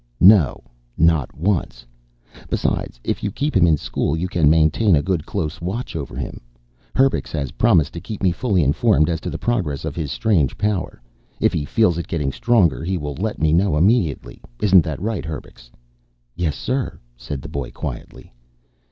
No, not once. Besides, if you keep him in school, you can maintain a good close watch over him. Herbux has promised to keep me fully informed as to the progress of his strange power. If he feels it getting stronger, he will let me know immediately.' Isn't that right, Herbux?" "Yes, sir," said the boy quietly.